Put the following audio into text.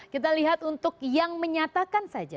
kita lihat untuk yang menyatakan saja